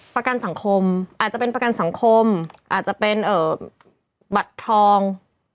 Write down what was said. ประกันสังคมอาจจะเป็นประกันสังคมอาจจะเป็นบัตรทอง